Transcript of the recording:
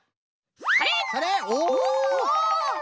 それ！